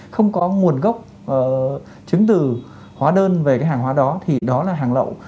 không có nguồn gốc chứng từ hóa đơn về cái hàng hóa đó thì đó là hàng lậu